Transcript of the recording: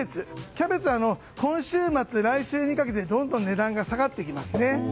キャベツは今週末、来週にかけてどんどん値段が下がっていきます。